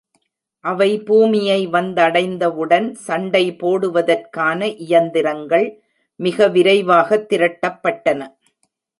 அவை பூமியை வந்தடைந்தவுடன், சண்டை போடுவதற்கான இயந்திரங்கள் மிக விரைவாக திரட்டப்பட்டன.